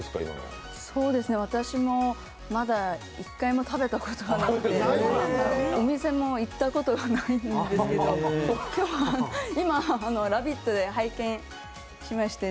私もまだ一回も食べたことがなくてお店も行ったことがないんですけど、今日は今、「ラヴィット！」で拝見しまして。